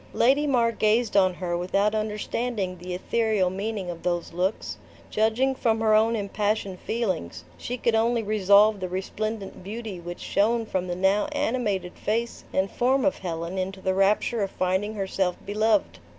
Lady Mar gazed on her without understanding the ethereal meaning of those looks. Judging from her own impassioned feelings, she could only resolve the resplendent beauty which shone from the now animated face and form of Helen into the rapture of finding herself beloved.